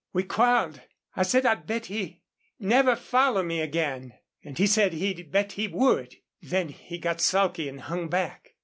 We quarreled. I said I'd bet he'd never follow me again and he said he'd bet he would. Then he got sulky and hung back.